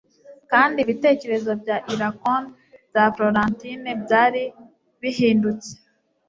Kandi ibitekerezo bya iracond bya Florentine byari bihindutse